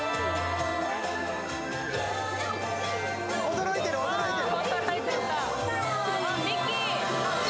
驚いている、驚いてる。